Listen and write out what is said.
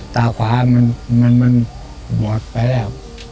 ตาขวามันบอดไปแล้ว